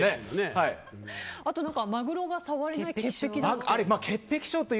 あと、マグロが触れない潔癖だと。